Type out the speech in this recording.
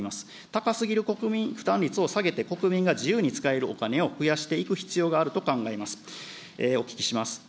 高すぎる国民負担率を下げて、国民が自由に使えるお金を増やしていく必要があると考えます。